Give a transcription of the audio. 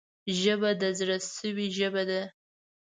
ژبه د زړه سوي ژبه ده